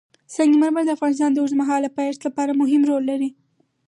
سنگ مرمر د افغانستان د اوږدمهاله پایښت لپاره مهم رول لري.